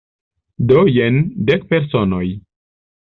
Do jen dek personoj.